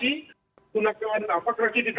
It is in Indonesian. mereka mengatasi permasalahan permasalahan yang muncul